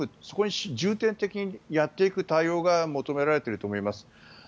そこに重点的にやっていく対応が求められていると思います。